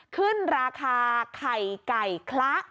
ขึ้นราคาไข่ไก่คละ